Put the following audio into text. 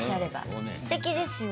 すてきですよ。